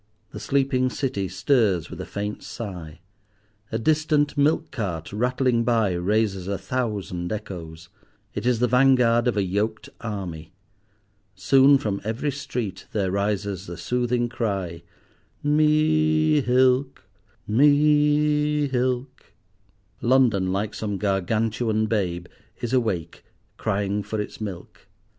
The sleeping City stirs with a faint sigh. A distant milk cart rattling by raises a thousand echoes; it is the vanguard of a yoked army. Soon from every street there rises the soothing cry, "Mee'hilk—mee'hilk." London like some Gargantuan babe, is awake, crying for its milk.